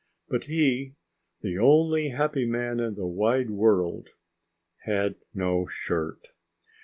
But he, the only happy man in the wide world, had no shirt!